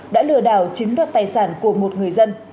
đã lừa đảo chiếm đoạt tài sản của một người dân